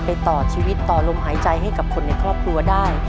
ต่อชีวิตต่อลมหายใจให้กับคนในครอบครัวได้